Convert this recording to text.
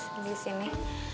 mas pergi sini